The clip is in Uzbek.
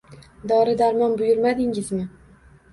Dori-darmon buyurmadingizmi